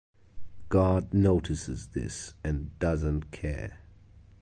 God notices this and doesn't care.